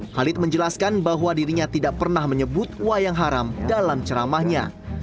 khalid menjelaskan bahwa dirinya tidak pernah menyebut wayang haram dalam ceramahnya